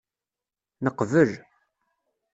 Neqbel.